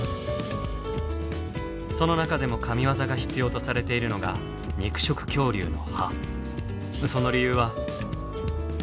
その中でも神業が必要とされているのがその理由は。